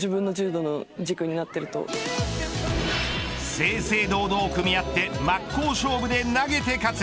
正々堂々組み合って真っ向勝負で投げて勝つ。